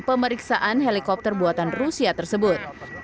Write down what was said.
pemeriksaan helikopter buatan rusia tersebut